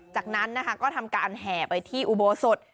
จากนั้นนะคะก็ทำการแห่ไปที่อุโบสถ